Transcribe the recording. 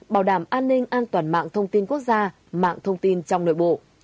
bảo đảm an ninh an toàn mạng thông tin quốc gia mạng thông tin trong nội bộ